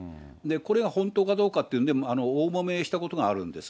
これが本当かどうかというので、大もめしたことがあるんです。